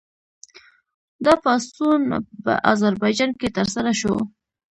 دا پاڅون په اذربایجان کې ترسره شو.